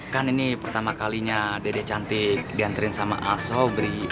kan ini pertama kalinya dede cantik diantriin sama aso beri